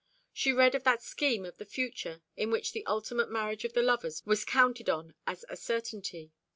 She read of that scheme of the future in which the ultimate marriage of the lovers was counted on as a certainty.